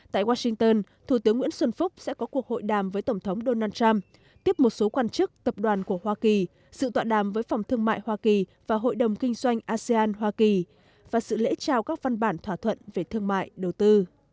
tại washington thủ tướng nguyễn xuân phúc sẽ có cuộc hội đàm với tổng thống donald trump tiếp một số quan chức tập đoàn của hoa kỳ sự tọa đàm với phòng thương mại hoa kỳ và hội đồng kinh doanh asean hoa kỳ và sự lễ trao các văn bản thỏa thuận về thương mại đầu tư